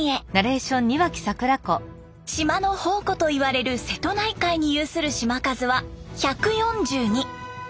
島の宝庫といわれる瀬戸内海に有する島数は１４２。